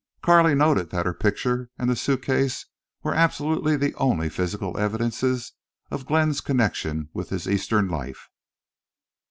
Carley noted that her picture and the suit case were absolutely the only physical evidences of Glenn's connection with his Eastern life.